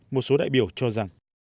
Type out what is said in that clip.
một số đại biểu cho rằng